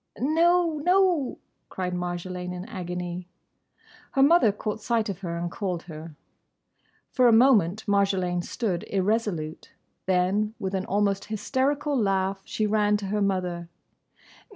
"No, no!" cried Marjolaine, in agony. Her mother caught sight of her and called her. For a moment Marjolaine stood irresolute. Then, with an almost hysterical laugh, she ran to her mother.